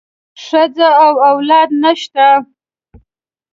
ښځه او اولاد نشته.